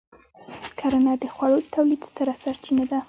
کرنه د خوړو د تولید ستره سرچینه ده.